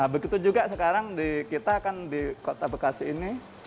begitu juga sekarang kita kan di kota bekasi ini